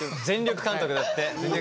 全力監督だって。